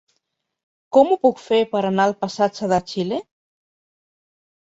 Com ho puc fer per anar al passatge de Xile?